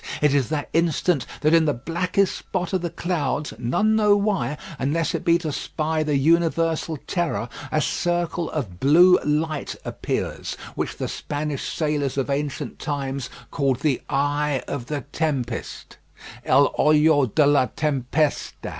It is at that instant that in the blackest spot of the clouds, none know why, unless it be to spy the universal terror, a circle of blue light appears, which the Spanish sailors of ancient times called the eye of the tempest, el ojo de la tempestad.